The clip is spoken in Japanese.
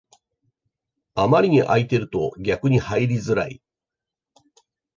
あまりに空いてると逆に入りづらい